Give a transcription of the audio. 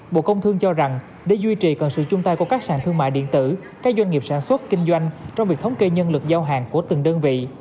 bộ công thương cho rằng để duy trì còn sự chung tay của các sàn thương mại điện tử các doanh nghiệp sản xuất kinh doanh trong việc thống kê nhân lực giao hàng của từng đơn vị